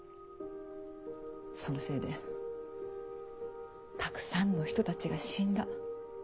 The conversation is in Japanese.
そのせいでたくさんの人たちが死んだ。